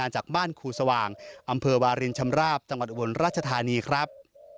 จากบ้านครูสว่างอำเภอวารินชำราบจังหวัดอุบลราชธานีครับ